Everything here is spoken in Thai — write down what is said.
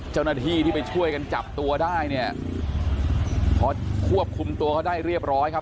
เจ้าหน้าที่ที่ไปช่วยกันจับตัวได้เนี่ยพอควบคุมตัวเขาได้เรียบร้อยครับ